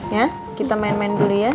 ya kita main main dulu ya